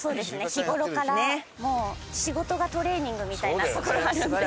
日頃からもう仕事がトレーニングみたいなところあるので。